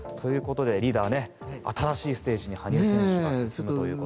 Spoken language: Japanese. リーダー、新しいステージに羽生選手が進むという。